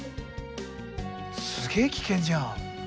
すげえ危険じゃん。